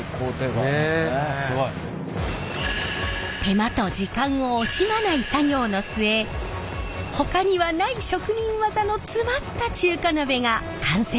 手間と時間を惜しまない作業の末ほかにはない職人技の詰まった中華鍋が完成するのです。